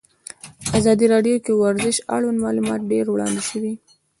په ازادي راډیو کې د ورزش اړوند معلومات ډېر وړاندې شوي.